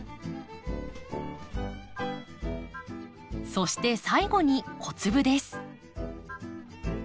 そして最後に小粒です。